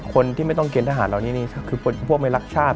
คนที่ไม่ต้องเกณฑ์ทหารเหล่านี้